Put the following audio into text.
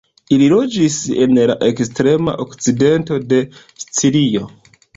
Ili loĝis en la ekstrema okcidento de Sicilio.